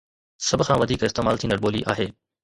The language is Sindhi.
سڀ کان وڌيڪ استعمال ٿيندڙ ٻولي آهي